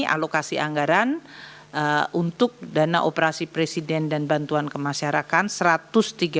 alokasi anggaran untuk dana operasi presiden dan bantuan kemasyarakat